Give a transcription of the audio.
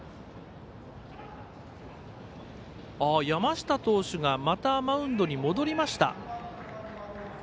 山下投手がまたマウンドに戻りました。